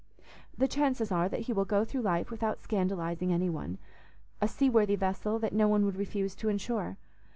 The chances are that he will go through life without scandalizing any one; a seaworthy vessel that no one would refuse to insure.